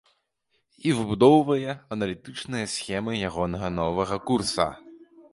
І выбудоўвае аналітычныя схемы яго новага курса.